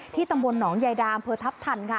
ที่ตำบลหนองใยดามเพอร์ทัพทันค่ะ